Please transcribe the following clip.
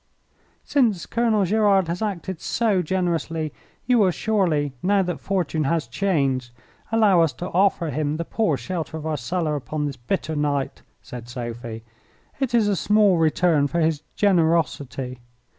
"Since Colonel Gerard has acted so generously you will surely, now that fortune has changed, allow us to offer him the poor shelter of our cellar upon this bitter night," said Sophie. "It is a small return for his generosity."